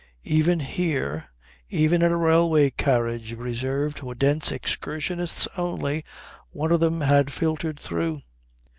Even here, even in a railway carriage reserved for Dent's excursionists only, one of them had filtered through.